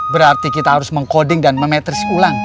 berarti kita harus mengkoding dan memetris ulang